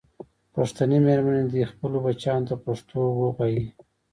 پښتنې مېرمنې دې خپلو بچیانو ته پښتو ویې ویي.